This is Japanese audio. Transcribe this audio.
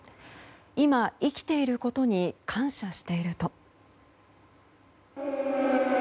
今、生きていることに感謝していると。